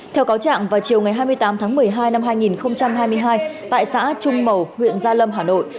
theo cáo trạng vào chiều ngày hai mươi tám tháng một mươi hai năm hai nghìn hai mươi hai tại xã trung mầu huyện gia lâm hà nội